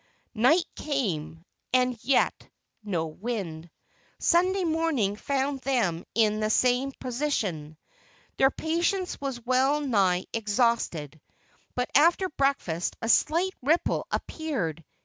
Night came, and yet no wind. Sunday morning found them in the same position. Their patience was well nigh exhausted, but after breakfast a slight ripple appeared.